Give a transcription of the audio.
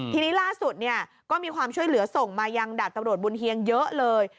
ทีนี้ล่าสุดเนี่ยก็มีความช่วยเหลือส่งมายังดาบตำรวจบุญเฮียงเยอะเลย